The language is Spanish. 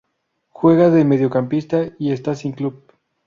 Juega de mediocampista y está sin club.